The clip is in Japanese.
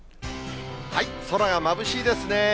空がまぶしいですね。